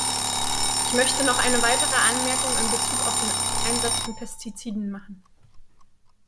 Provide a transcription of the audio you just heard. Ich möchte noch eine weitere Anmerkung in Bezug auf den Einsatz von Pestiziden machen.